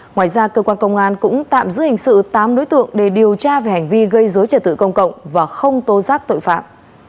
ngoài ra cơ quan công an cũng tạm giữ hình sự tám đối tượng để điều tra về hành vi gây dối trật tự công cộng và không tố giác tội phạm